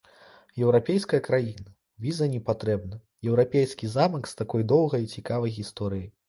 Еўрапейская краіна, віза не патрэбна, еўрапейскі замак з такой доўгай і цікавай гісторыяй.